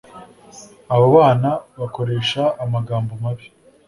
abo bana bakoresha amagambo mabi